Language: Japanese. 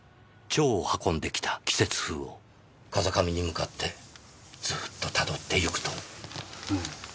蝶を運んできた季節風を風上に向かってずーっとたどってゆくと。